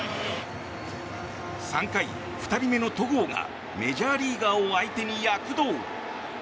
３回、２人目の戸郷がメジャーリーガーを相手に躍動。